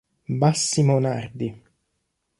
Massimo Nardi